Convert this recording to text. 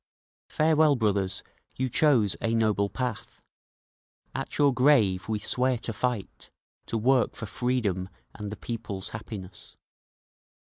Farewell, brothers, you chose a noble path, At your grave we swear to fight, to work for freedom and the people's happiness….